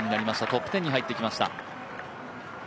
トップ１０に入ってきました。